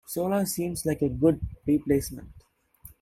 Solar seems like a good replacement.